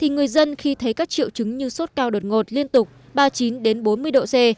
người dân khi thấy các triệu chứng như sốt cao đột ngột liên tục ba mươi chín bốn mươi độ c